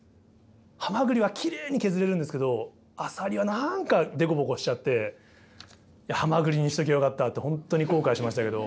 ハマグリはきれいに削れるんですけどアサリは何か凸凹しちゃってハマグリにしときゃよかったって本当に後悔しましたけど。